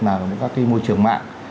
là các cái môi trường mạng